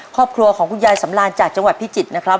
ครอบครัวของคุณยายสำราญจากจังหวัดพิจิตรนะครับ